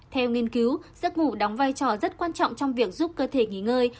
theo nghiên cứu giấc ngủ đóng vai trò rất quan trọng trong việc giúp cơ thể nghỉ ngơi